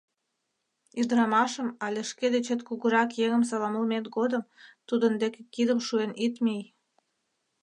«Ӱдырамашым але шке дечет кугурак еҥым саламлымет годым тудын деке кидым шуен ит мий.